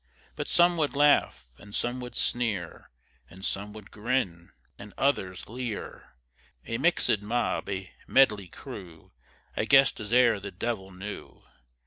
But some would laugh, and some would sneer, And some would grin, and others leer; A mixèd mob, a medley crew, I guess as e'er the devil knew.